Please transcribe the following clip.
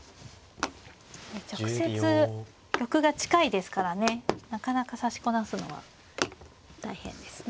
直接玉が近いですからねなかなか指しこなすのは大変ですね。